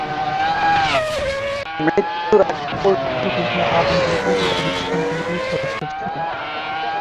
মৃত্যুর আগ পর্যন্ত তিনি আওয়ামীলীগের উপদেষ্টা মণ্ডলীর সদস্য ছিলেন।